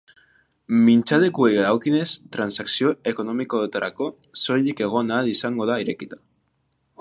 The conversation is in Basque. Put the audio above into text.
Mintzalekuei dagokienez, transakzio ekonomikoetarako soilik egon ahal izango dira irekita.